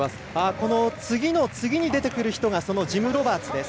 この次の次に出てくる人がジム・ロバーツです。